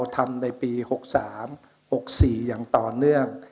ทำในปี๖๓๖๔อย่างต่อเนื่อง